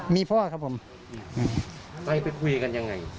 มีพ่อครับผมไปไปคุยกันยังไง